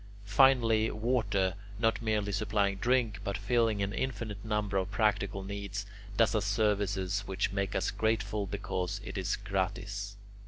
Finally, water, not merely supplying drink but filling an infinite number of practical needs, does us services which make us grateful because it is gratis.